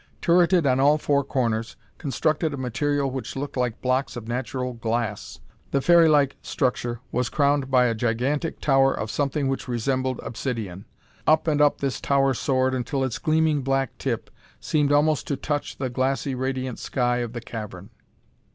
Turreted on all four corners, constructed of material which looked like blocks of natural glass, the fairylike structure was crowned by a gigantic tower of something which resembled obsidian. Up and up this tower soared until its gleaming black tip seemed almost to touch the glassy radiant sky of the cavern.